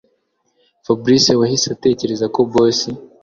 Fabric wahise atekereza ko boss